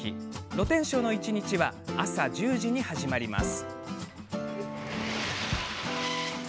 露店商の一日は朝１０時に始まります。